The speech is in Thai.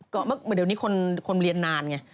เหมือนเดี๋ยวนี้คนเรียนนานไง